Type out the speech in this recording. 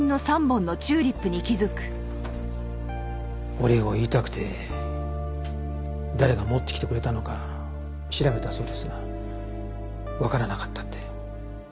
お礼を言いたくて誰が持ってきてくれたのか調べたそうですがわからなかったって。